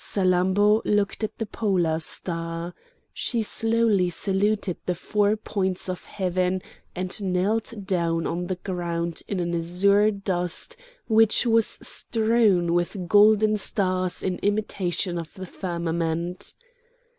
Salammbô looked at the polar star; she slowly saluted the four points of heaven, and knelt down on the ground in the azure dust which was strewn with golden stars in imitation of the firmament.